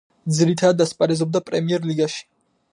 ძირითადად ასპარეზობდა პრემიერ-ლიგაში.